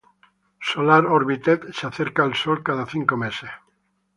Solar Orbiter se acercará al Sol cada cinco meses.